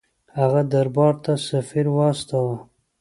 هغه دربار ته سفیر واستاوه.